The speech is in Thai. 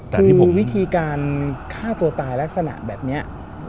คือวิธีการฆ่าตัวตายลักษณะแบบนี้